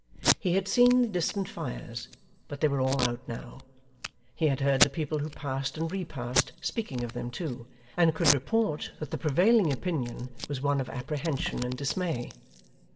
He had seen the distant fires, but they were all out now. He had heard the people who passed and repassed, speaking of them too, and could report that the prevailing opinion was one of apprehension and dismay.